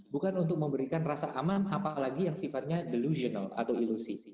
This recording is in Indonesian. bukan untuk memberikan rasa aman apalagi yang sifatnya delusional atau ilusi